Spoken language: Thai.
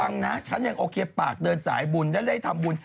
ยังนะฉันยังโอเคปากเดินสายบุญแล้วได้ทำบุญ